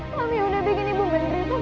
kami sudah bikin ibu mengerit